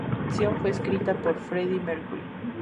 La canción fue escrita por Freddie Mercury.